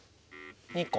２個。